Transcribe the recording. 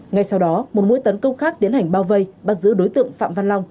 ngay sau đó một mũi tấn công khác tiến hành bao vây bắt giữ đối tượng phạm văn long